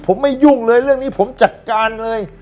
ผมไม่ยุ่งเลยเรื่องนี้ผมจัดการเลย